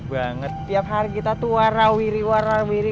banget tiap hari kita tuh warawiri warawiri